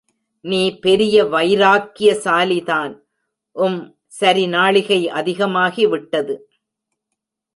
நீ பெரிய வைராக்கியசாலிதான், உம் சரி நாழிகை அதிகமாகிவிட்டது.